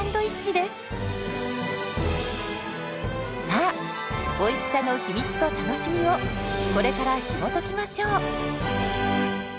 さあおいしさの秘密と楽しみをこれからひもときましょう！